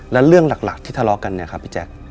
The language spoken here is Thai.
แล้วเรื่องหลักที่ทะเลาะกันเนี่ยครับพี่แจ๊ค